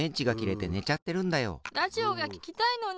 ラジオがききたいのに。